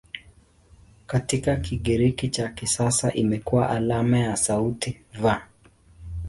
Katika Kigiriki cha kisasa imekuwa alama ya sauti "V".